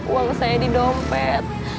uang saya di dompet